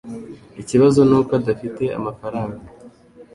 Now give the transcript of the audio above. Ikibazo nuko adafite amafaranga.